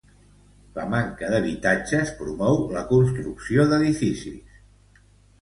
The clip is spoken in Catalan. La manca d'habitatges promou la construcció d'edificis.